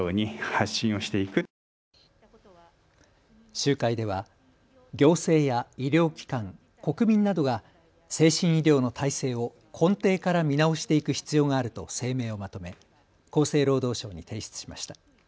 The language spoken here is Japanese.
集会では行政や医療機関、国民などが精神医療の体制を根底から見直していく必要があると声明をまとめ厚生労働省に提出しました。